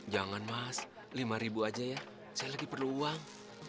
jangan mas lima ribu aja ya saya lagi perlu uang